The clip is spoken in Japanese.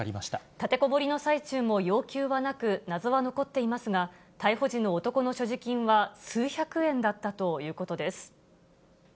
立てこもりの最中も要求はなく、謎は残っていますが、逮捕時の男の所持金は数百円だったということです。